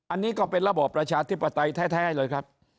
อันนี้ก็เป็นระบอบประชาธิปไตยแท้เลยครับ